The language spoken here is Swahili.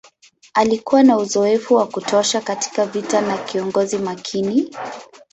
Alikuwa na uzoefu wa kutosha katika vita na kiongozi makini.